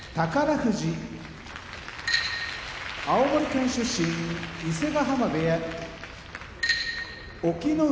富士青森県出身伊勢ヶ濱部屋隠岐の海